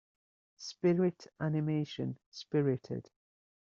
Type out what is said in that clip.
Spirit animation Spirited.